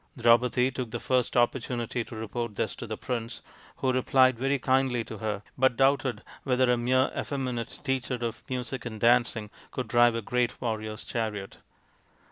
Draupadi took the first opportunity to report 94 THE INDIAN STORY BOOK this to the prince, who replied very kindly to her, but doubted whether a mere effeminate teacher of music and dancing could drive a great warrior's chariot.